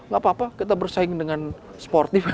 gak apa apa kita bersaing dengan sportif